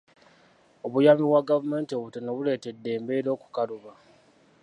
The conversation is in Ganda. Obuyambi bwa gavumenti obutono buleetedde embeera okukaluba.